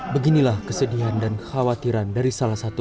beginilah kesedihan dan khawatiran dari salah satu